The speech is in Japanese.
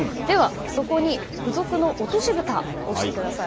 そこに付属の落としぶたをしてください。